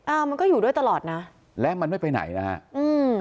มันก็อยู่ด้วยตลอดนะและมันไม่ไปไหนนะฮะอืม